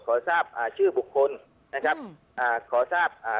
ขอทราบอ่าชื่อบุคคลนะครับอ่าขอทราบอ่า